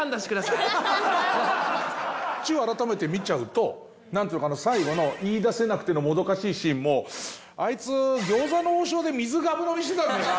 こっちを改めて見ちゃうと最後の言い出せなくてのもどかしいシーンも「あいつ餃子の王将で水がぶ飲みしてたんだよな」